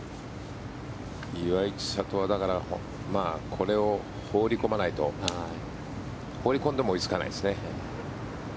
岩井千怜はこれを放り込まないと放り込んでも追いつかないですね。